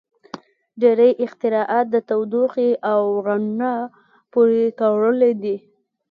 • ډیری اختراعات د تودوخې او رڼا پورې تړلي دي.